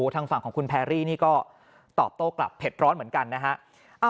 ทางฝั่งของคุณแพรรี่นี่ก็ตอบโต้กลับเผ็ดร้อนเหมือนกันนะฮะ